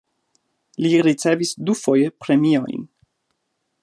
Li ricevis dufoje premiojn.